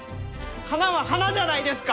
花は花じゃないですか！